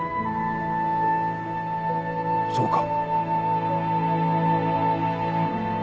そうか。